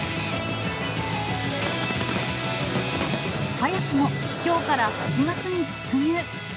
早くもきょうから８月に突入。